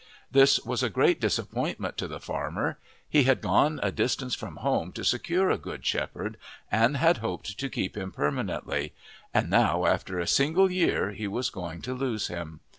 This was a great disappointment to the farmer: he had gone a distance from home to secure a good shepherd, and had hoped to keep him permanently, and now after a single year he was going to lose him.